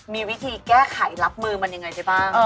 มีวิธีแก้ไขรับมือมันยังไงไปบ้าง